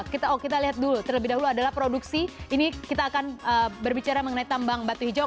kita lihat dulu terlebih dahulu adalah produksi ini kita akan berbicara mengenai tambang batu hijau